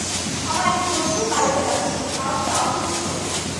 আমার এক বন্ধুর বাড়িতে যাচ্ছি, কারণ সে অসুস্থ।